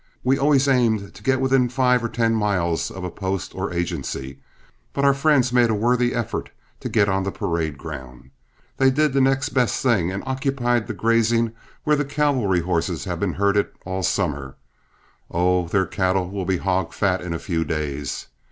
We always aimed to get within five or ten miles of a post or agency, but our friends made a worthy effort to get on the parade ground. They did the next best thing and occupied the grazing where the cavalry horses have been herded all summer. Oh, their cattle will be hog fat in a few days.